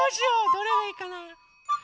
どれがいいかな。